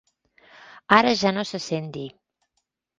Ara ja no se sent dir.